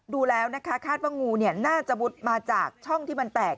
ดูแล้วนะคะคาดว่างูน่าจะมุดมาจากช่องที่มันแตก